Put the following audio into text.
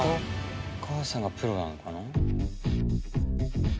お母さんがプロなのかな？